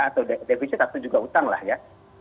atau defisit itu juga utang lah ya